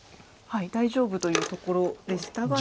大丈夫というところでしたが。